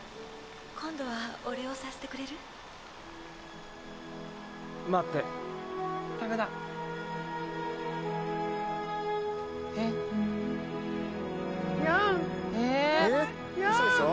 「今度はお礼をさせてくれる？」「待って」嘘でしょ？